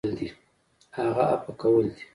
هغه عفوه کول دي .